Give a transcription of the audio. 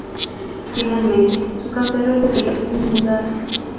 Finalmente, su casero le pidió que se mudara.